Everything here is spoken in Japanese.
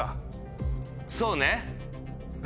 そうね。